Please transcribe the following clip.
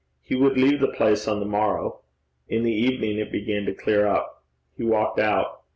He would leave the place on the morrow. In the evening it began to clear up. He walked out.